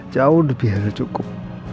jauh lebih aja cukup